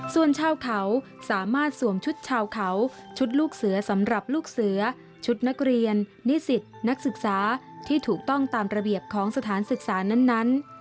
ส่วนชาวเขาสามารถสวมชุดชาวเขาชุดลูกเสือสำหรับลูกเสือชุดนักเรียนนิสิตนักศึกษาที่ถูกต้องตามระเบียบของสถานศึกษานั้น